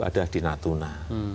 ada di natuna